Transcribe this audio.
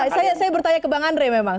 saya bertanya ke bang andre memang